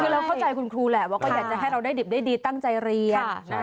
คือเราเข้าใจคุณครูแหละว่าก็อยากจะให้เราได้ดิบได้ดีตั้งใจเรียน